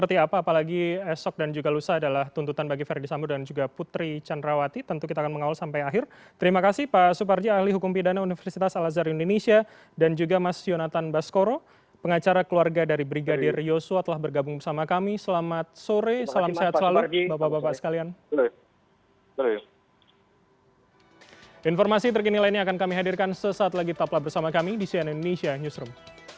informasi terkini lainnya akan kami hadirkan sesaat lagi taplah bersama kami di cnn indonesia newsroom